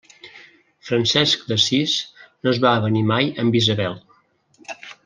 Francesc d'Assís no es va avenir mai amb Isabel.